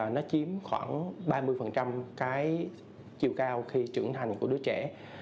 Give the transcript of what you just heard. nó chiếm khoảng ba mươi cái chiều cao khi trưởng thành của đứa trẻ